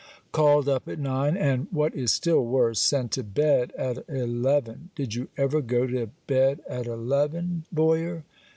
Called up at nine! and, what is still worse, sent to bed at eleven! Did you ever go to bed at eleven, Boyer?